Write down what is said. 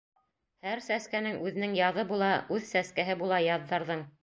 Һәр сәскәнең үҙенең яҙы була, Үҙ сәскәһе була яҙҙарҙың...